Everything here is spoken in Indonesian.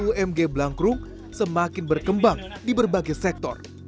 umg blangkrum semakin berkembang di berbagai sektor